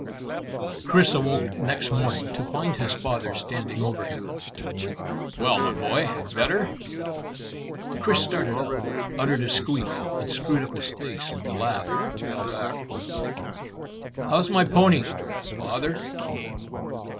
Chris awoke next morning to find his father standing over him. "Well, my boy; better?" Chris started up, uttered a squeak and screwed up his face with a laugh, and fell back. "How's my pony, father?"